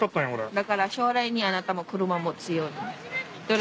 だから将来にあなたも車持つように。